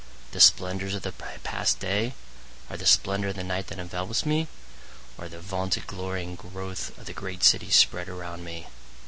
The splendors of the past day? Or the splendor of the night that envelopes me? Or the vaunted glory and growth of the great city spread around me?